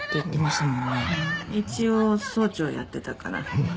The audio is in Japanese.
一応総長やってたから。